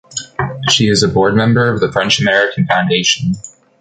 She is a board member of the French-American Foundation.